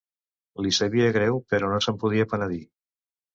Li sabia greu, però no se'n podia penedir.